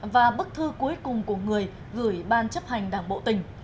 và bức thư cuối cùng của người gửi ban chấp hành đảng bộ tỉnh